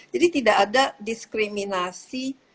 jadi tidak ada diskriminasi